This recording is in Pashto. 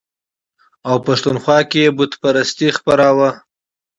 او پښتونخوا کې یې بودیزم خپراوه.